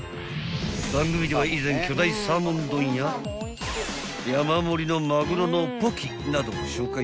番組では以前巨大サーモン丼や山盛りのマグロのポキなどを紹介したが］